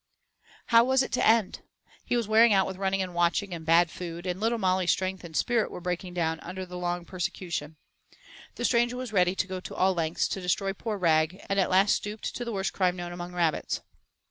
How was it to end? He was wearing out with running and watching and bad food, and little Molly's strength and spirit were breaking down under the long persecution. The stranger was ready to go to all lengths to destroy poor Rag, and at last stooped to the worst crime known among rabbits.